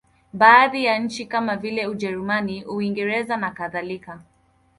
Baadhi ya nchi kama vile Ujerumani, Uingereza nakadhalika.